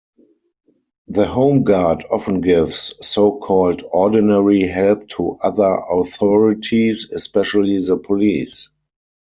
The Home Guard often gives so-called ordinary help to other authorities, especially the police.